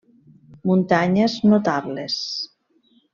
Muntanyes notables.